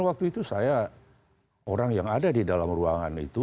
waktu itu saya orang yang ada di dalam ruangan itu